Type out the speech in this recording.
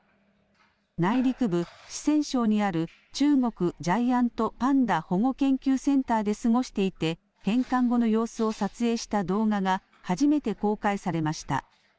内陸部、四川省にある、中国ジャイアントパンダ保護研究センターで過ごしていて、返還後の様子を撮影した動画が初めて公開されました。